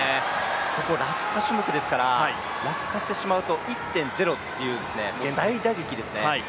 ここ、落下種目ですから落下してしまうと、１．０という減点で大打撃ですね。